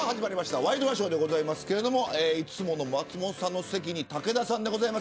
ワイドナショーでございますが松本さんの席に武田さんです。